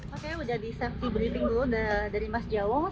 oke udah di safety briefing dulu dari mas jawo